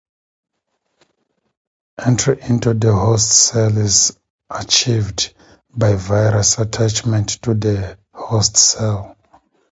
Entry into the host cell is achieved by virus attachment to the host cell.